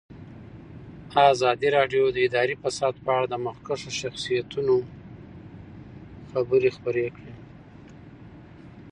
ازادي راډیو د اداري فساد په اړه د مخکښو شخصیتونو خبرې خپرې کړي.